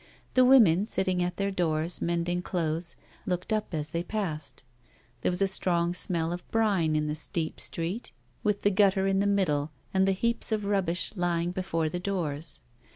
The women, sitting at their doors mending clothes, looked up as they passed. There was a strong smell of brine in the steep street with the gutter in the middle and the heaps of rubbish lying before the doors.